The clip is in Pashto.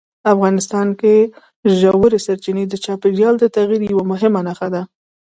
افغانستان کې ژورې سرچینې د چاپېریال د تغیر یوه مهمه نښه ده.